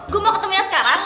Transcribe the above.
gue mau ketemunya sekarang